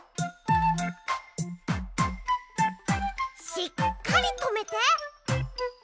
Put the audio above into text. しっかりとめて！